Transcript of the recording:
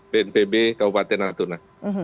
bnpb kabupaten natuna